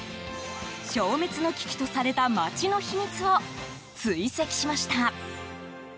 消滅の危機とされた町の秘密を追跡しました。